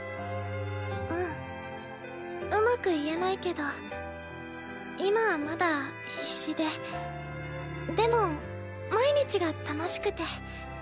うんうまく言えないけど今はまだ必死ででも毎日が楽しくて。